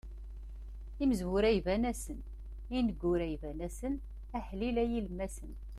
Imezwura iban-asen, ineggura iban-asen, aḥlil a yilemmasen.